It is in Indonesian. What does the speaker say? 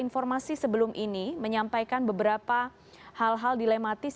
informasi sebelum ini menyampaikan beberapa hal hal dilematis